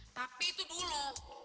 tapi itu dulu